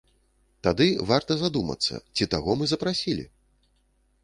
Тады варта задумацца, ці таго мы запрасілі!?